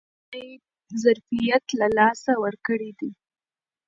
بند خپل پخوانی ظرفیت له لاسه ورکړی دی.